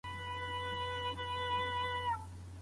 وترنري پوهنځۍ له پامه نه غورځول کیږي.